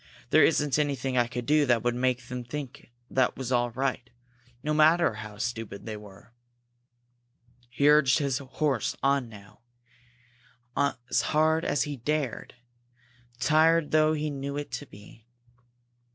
There isn't anything I could do that would make them think that was all right, no matter how stupid they were!" He urged his horse on now as hard as he dared, tired though he knew it to be.